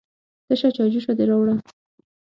_تشه چايجوشه دې راوړه؟